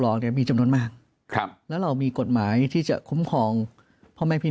เนี่ยมีจำนวนมากครับแล้วเรามีกฎหมายที่จะคุ้มครองพ่อแม่พี่